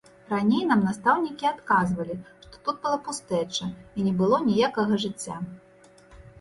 Раней нам настаўнікі адказвалі, што тут была пустэча і не было ніякага жыцця.